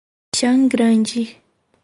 Chã Grande